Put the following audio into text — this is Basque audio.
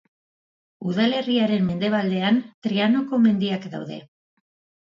Udalerriaren mendebaldean Trianoko mendiak daude.